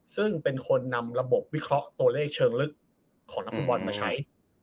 ซึ่งเป็นคนนำระบบวิเคราะห์ตัวเลขเชิงลึกของนักฟุตบอลมาใช้